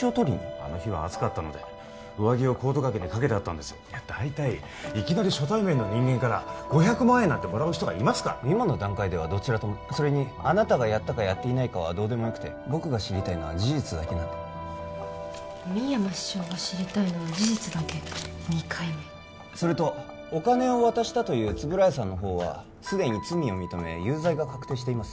あの日は暑かったので上着をコート掛けに掛けてあったんですいや大体いきなり初対面の人間から５００万円なんてもらう人がいますか今の段階ではどちらともそれにあなたがやったかやっていないかはどうでもよくて僕が知りたいのは事実だけなんで深山師匠が知りたいのは事実だけ２回目それとお金を渡したという円谷さんの方は既に罪を認め有罪が確定しています